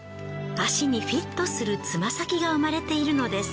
足にフィットするつま先が生まれているのです。